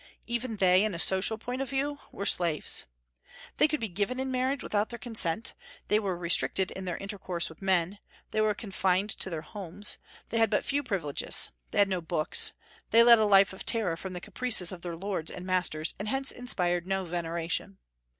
Even they, in a social point of view, were slaves. They could be given in marriage without their consent; they were restricted in their intercourse with men; they were confined to their homes; they had but few privileges; they had no books; they led a life of terror from the caprices of their lords and masters, and hence inspired no veneration.